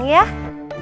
udah mau pulang ya